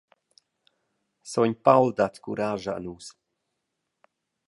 Sogn Paul dat curascha a nus.